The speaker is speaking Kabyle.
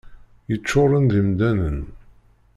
Yeččuren d imdanen.